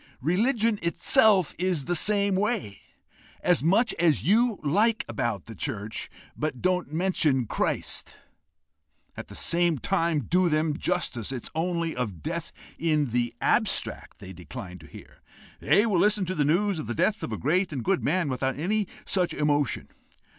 Religion itself is the same way: as much as you like about the church, but don't mention Christ! At the same time, to do them justice, it is only of death in the abstract they decline to hear; they will listen to the news of the death of a great and good man, without any such emotion.